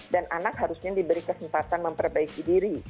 dan anak harusnya diberi kesempatan memperbaiki diri